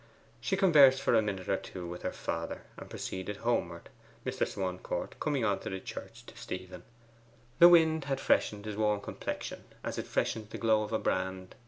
She conversed for a minute or two with her father, and proceeded homeward, Mr. Swancourt coming on to the church to Stephen. The wind had freshened his warm complexion as it freshens the glow of a brand.